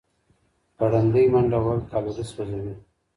ګړندۍ منډه وهل کالوري سوځوي.